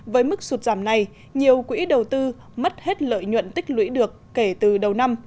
với mức sụt giảm này nhiều quỹ đầu tư mất hết lợi nhuận tích lũy được kể từ đầu năm